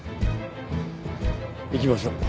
行きましょう。